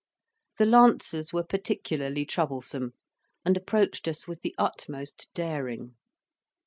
The lancers were particularly troublesome, and approached us with the utmost daring.